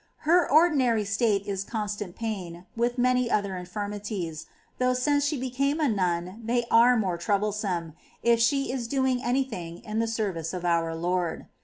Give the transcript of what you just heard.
Her ordi nary state is constant pain, with many other infirmities, though since she became a nun they are more troublesome, if she is doing any thing in the service of our Lord.